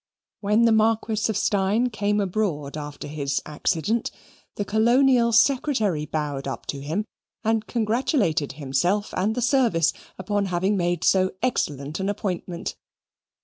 When the Marquis of Steyne came abroad after his accident, the Colonial Secretary bowed up to him and congratulated himself and the Service upon having made so excellent an appointment.